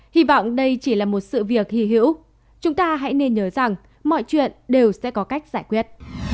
hy vọng đây chỉ là một sự việc hy hữu chúng ta hãy nên nhớ rằng mọi chuyện đều sẽ có cách giải quyết